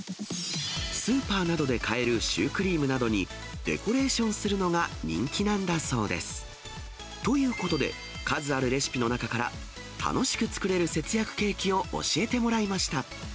スーパーなどで買えるシュークリームなどに、デコレーションするのが人気なんだそうです。ということで、数あるレシピの中から、楽しく作れる節約ケーキを教えてもらいました。